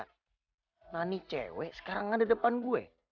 karena ini cewek sekarang ngana depan gue